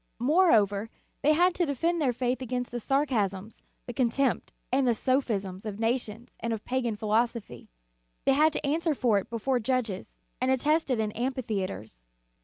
Moreover, they had to defend their faith against the sarcasms, the contempt, and the sophisms of nations and of pagan philosophy. They had to answer for it before judges, and attest it in amphitheatres.